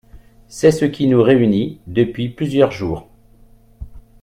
C’est ce qui nous réunit depuis plusieurs jours.